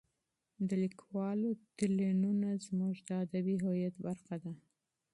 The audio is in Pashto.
د لیکوالو تلینونه زموږ د ادبي هویت برخه ده.